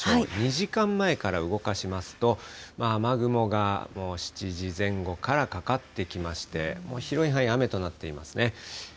２時間前から動かしますと、雨雲がもう７時前後からかかってきまして、もう広い範囲、雨となっていますね。